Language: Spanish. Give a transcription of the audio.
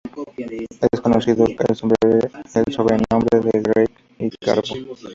Es conocido con el sobrenombre de Greg y Garbo.